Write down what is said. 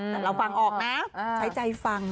แต่เราฟังออกนะใช้ใจฟัง